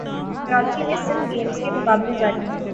کراچی میں سندھ گیمز کے مقابلے جاری ہیں